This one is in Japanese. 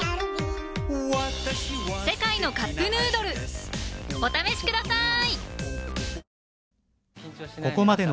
「世界のカップヌードル」お試しください！